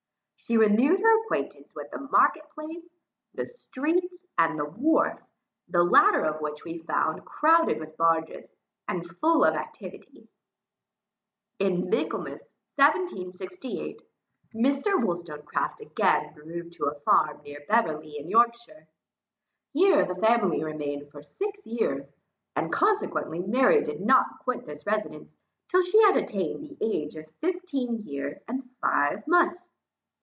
She renewed her acquaintance with the market place, the streets, and the wharf, the latter of which we found crowded with barges, and full of activity. In Michaelmas 1768, Mr. Wollstonecraft again removed to a farm near Beverley in Yorkshire. Here the family remained for six years, and consequently, Mary did not quit this residence, till she had attained the age of fifteen years and five months.